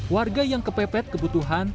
warga yang kepepet kebutuhan